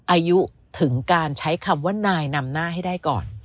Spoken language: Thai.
อายุถึงการใช้คำว่านายนำหน้าให้ได้ก่อน